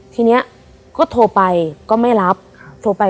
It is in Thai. ทีนี้ก็โทรไป